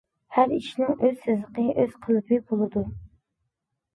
ھەر ئىشنىڭ ئۆز سىزىقى، ئۆز قېلىپى بولىدۇ.